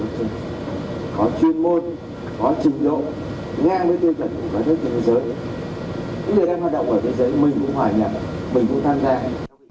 những người đang hoạt động ở thế giới mình cũng hòa nhập mình cũng tham gia